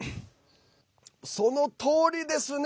そのとおりですね。